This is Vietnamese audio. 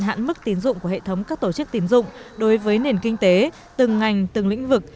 hạn mức tiến dụng của hệ thống các tổ chức tín dụng đối với nền kinh tế từng ngành từng lĩnh vực